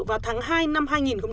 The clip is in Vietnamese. vào tháng hai năm hai nghìn bảy